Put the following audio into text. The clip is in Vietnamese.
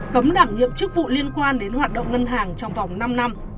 cấm đảm nhiệm chức vụ liên quan đến hoạt động ngân hàng trong vòng năm năm